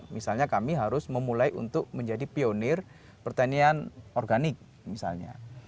misalnya kami harus memulai untuk menjadi pionir pertanian organik misalnya